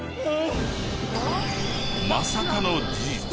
まさかの事実！